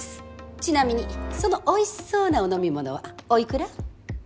ちなみにそのおいしそうなお飲み物はお幾ら？